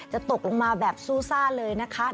ตกลงมาแบบซูซ่าเลยนะคะ